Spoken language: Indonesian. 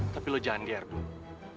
tapi lu jangan dihargai